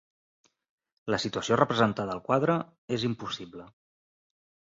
La situació representada al quadre és impossible.